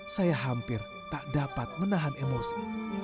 saya hampir tak dapat menahan emosi